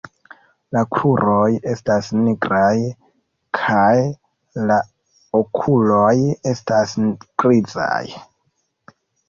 La kruroj estas nigraj kaj la okuloj estas grizaj.